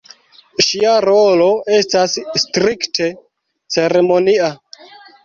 Ŝia rolo estas strikte ceremonia.